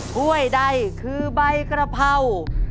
้วยใดคือใบกระเพรา